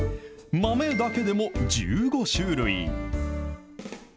豆だけでも１５種類。